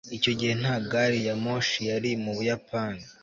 icyo gihe nta gari ya moshi yari mu buyapani